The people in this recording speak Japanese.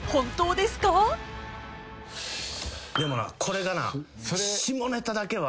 でもなこれがな。